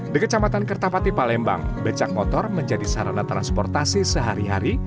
di kecamatan kertapati palembang becak motor menjadi sarana transportasi sehari hari